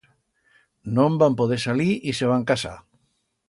No'n van poder salir y se van casar.